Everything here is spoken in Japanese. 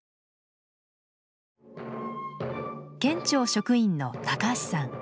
県庁職員の高橋さん。